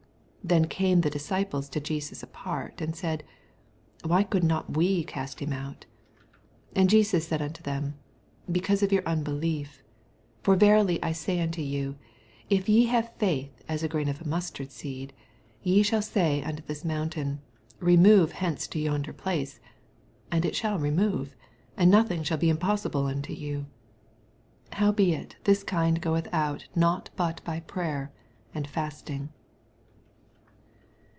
19 Then came the disciples to Jesus apart, and said. Why could not we oast him out ? 20 And Jesus said unto them, Be cause of your unbelief: for vexily I say unto you, If ye have faith as a grain of mustard seed, ye shall say unto this mountain, Bemove henoe to yonder place ; and it shall remove and nothing shall be impossible unto you. 21 Howbeit this kind goeth not out but by prayer and &stii^.